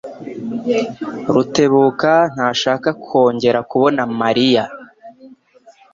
Rutebuka ntashaka kongera kubona Mariya.